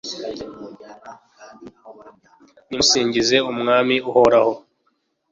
nimusingize umwami, uhoraho